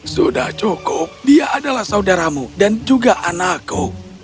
sudah cukup dia adalah saudaramu dan juga anakku